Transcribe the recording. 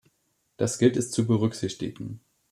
Das gilt es zu berücksichtigen.